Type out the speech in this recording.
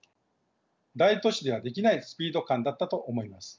大都市ではできないスピード感だったと思います。